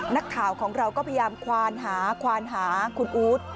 นักข่าวของเราก็พยายามควานหาควานหาคุณอู๊ด